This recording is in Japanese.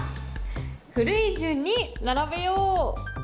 「古い順にならべよう」。